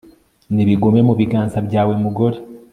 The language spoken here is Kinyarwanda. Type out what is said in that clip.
Nibigume mu biganza byawe mugore